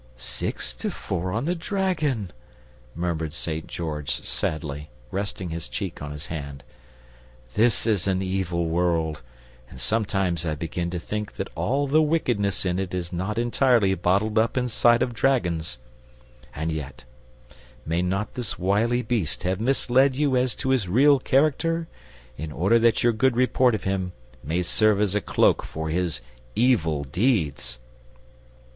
"Six to four on the dragon!" murmured St. George sadly, resting his cheek on his hand. "This is an evil world, and sometimes I begin to think that all the wickedness in it is not entirely bottled up inside the dragons. And yet may not this wily beast have misled you as to his real character, in order that your good report of him may serve as a cloak for his evil deeds?